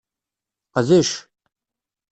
Qdec.